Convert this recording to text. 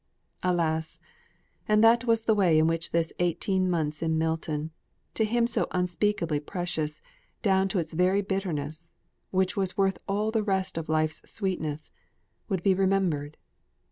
Alas! and that was the way in which this eighteen months in Milton to him so unspeakably precious, down to its very bitterness, which was worth all the rest of life's sweetness would be remembered.